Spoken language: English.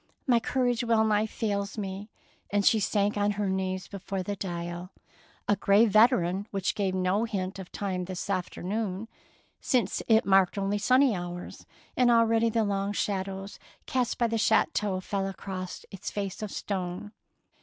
My courage wellnigh fails me "; and she sank on her knees before the dial, — a grey veteran which gave no hint of time this afternoon, since it marked only sunny hours, and already the long shadows cast by the chateau fell across its face of stone.